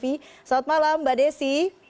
selamat malam mbak desi